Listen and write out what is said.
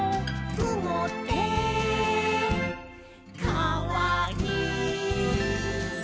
「くもってかわいい」